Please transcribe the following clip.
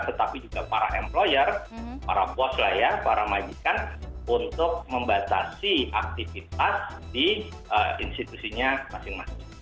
tetapi juga para employer para bos lah ya para majikan untuk membatasi aktivitas di institusinya masing masing